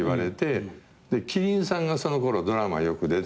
希林さんがそのころドラマよく出てたんで。